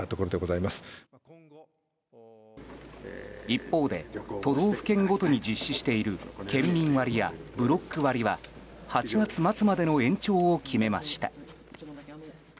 一方で都道府県ごとに実施している県民割やブロック割は８月末までの延長を決めました。